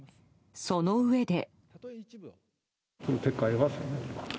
そのうえで。